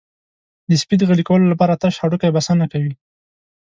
د سپي د غلي کولو لپاره تش هډوکی بسنه کوي.